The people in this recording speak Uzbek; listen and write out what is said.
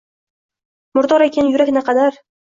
Murdor ekan yurak naqadar